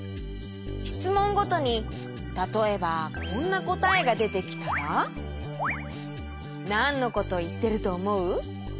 しつもんごとにたとえばこんなこたえがでてきたらなんのこといってるとおもう？